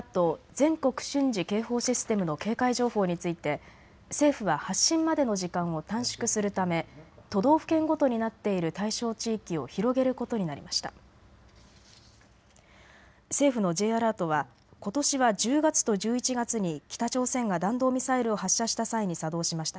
・全国瞬時警報システムの警戒情報について政府は発信までの時間を短縮するため都道府県ごとになっている対象地域を広げることになりました。